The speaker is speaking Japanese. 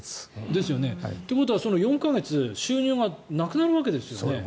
ですよね。ということはその４か月収入がなくなるわけですよね。